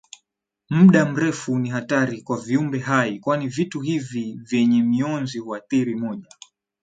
muda mrefu Ni hatari kwa viumbe hai kwani vitu hivi vyenye mionzi huathiri moja